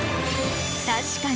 確かに。